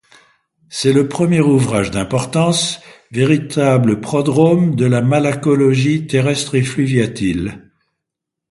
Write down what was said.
C'est le premier ouvrage d'importance, véritable prodrome de la malacologie terrestre et fluviatile.